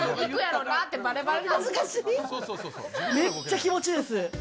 めっちゃ気持ち良いです。